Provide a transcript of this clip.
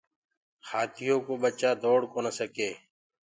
هآٿيو ڪو ڀچآ دوڙ ڪونآ سگي ۔